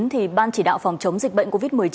thì ban chỉ đạo phòng chống dịch bệnh covid một mươi chín